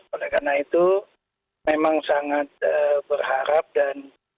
oleh karena itu memang sangat berharap dan